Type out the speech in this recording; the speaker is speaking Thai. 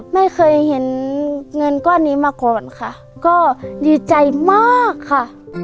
ไม่เคยเห็นเงินก้อนนี้มาก่อนค่ะก็ดีใจมากค่ะ